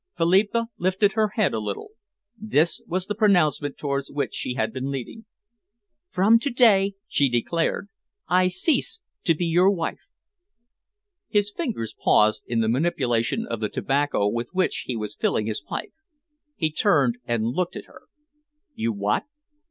Philippa lifted her head a little. This was the pronouncement towards which she had been leading. "From to day," she declared, "I cease to be your wife." His fingers paused in the manipulation of the tobacco with which he was filling his pipe. He turned and looked at her. "You what?"